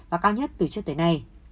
và cao nhất từ trước tới nay